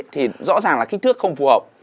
thì rõ ràng là kích thước không phù hợp